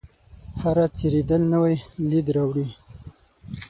هره څیرېدل نوی لید راوړي.